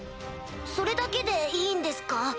それだけでいいんですか？